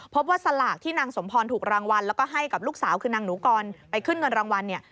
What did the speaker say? สลากที่นางสมพรถูกรางวัลแล้วก็ให้กับลูกสาวคือนางหนูกรไปขึ้นเงินรางวัลเนี่ย